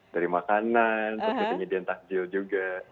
dari makanan terus penyediaan takjil juga